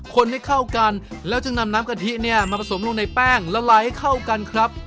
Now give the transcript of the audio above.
คนให้เข้ากันแล้วจึงนำน้ำกะทิเนี่ยมาผสมลงในแป้งละลายให้เข้ากันครับ